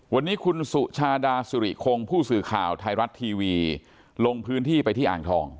วันนี้คุณสุชาดาสุริคงผู้สื่อข่าวไทยรัฐทีวีลงพื้นที่ไปที่อ่างทอง